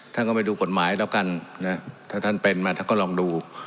ท่านก็ไปดูกฎหมายแล้วกันนะถ้าท่านเป็นมาท่านก็ลองดู